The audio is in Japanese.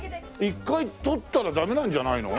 １回取ったらダメなんじゃないの？